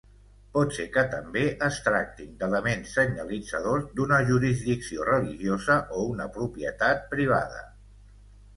Pot ser que també es tractin d’elements senyalitzadors d’una jurisdicció religiosa o una propietat privada.